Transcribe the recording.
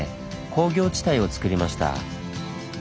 工業地帯をつくりました。